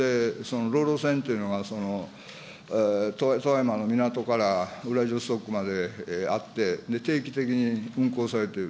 ロウロウ船というのは、富山の港からウラジオストクまであって、定期的に運航されている。